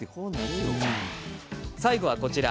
最後は、こちら。